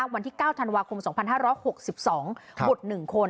วันที่๙ธันวาคม๒๕๖๒บุตร๑คน